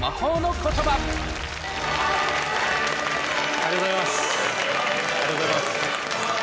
ありがとうございます。